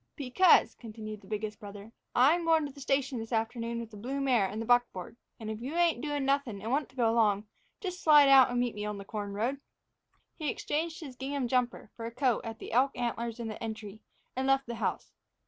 "Because," continued the biggest brother, "I'm goin' to the station this afternoon with the blue mare and the buckboard. And if you ain't doin' nothing and want to go along, just slide out and meet me on the corn road." He exchanged his gingham jumper for a coat at the elk antlers in the entry, and left the house.